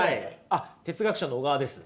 あっ哲学者の小川です。